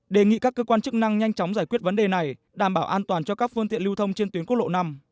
đề nghị các cơ quan chức năng nhanh chóng giải quyết vấn đề này đảm bảo an toàn cho các phương tiện lưu thông trên tuyến quốc lộ năm